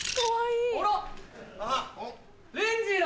レンジーだ。